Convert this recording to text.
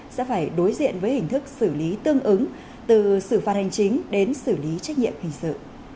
sẽ phải đối diện với hình thức xử lý tương ứng từ xử phạt hành chính đến xử lý trách nhiệm hình sự